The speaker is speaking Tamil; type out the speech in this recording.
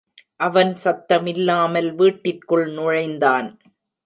அவன் சத்தமில்லாமல் வீட்டிற்குள் நுழைந்தான்.